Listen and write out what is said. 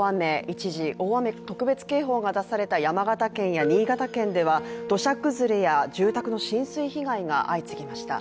一時、大雨特別警報が出された山形県や新潟県では土砂崩れや住宅の浸水被害が相次ぎました。